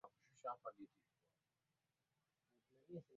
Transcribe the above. muundo wa magazeti hauhitaji rasilimali nyingi sanaa